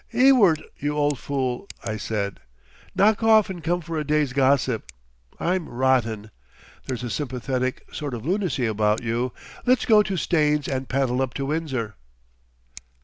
"Ewart, you old Fool," I said, "knock off and come for a day's gossip. I'm rotten. There's a sympathetic sort of lunacy about you. Let's go to Staines and paddle up to Windsor."